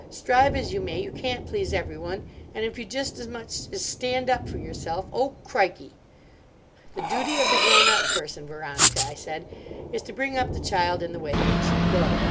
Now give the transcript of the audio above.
"Strive as you may, you can't please everyone. And if you just as much as stand up for yourself, oh, crikey!" "The duty of the grown up person, Veronica," I said, "is to bring up the child in the way that it should go.